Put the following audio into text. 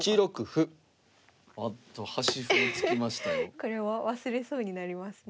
これは忘れそうになりますね。